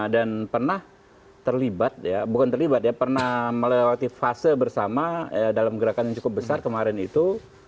dan pernah terlibat bukan terlibat ya pernah melewati fase bersama dalam gerakan yang cukup besar kemarin itu